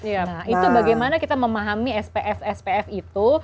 nah itu bagaimana kita memahami spf spf itu